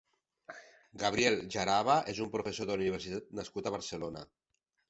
Gabriel Jaraba és un professor d'universitat nascut a Barcelona.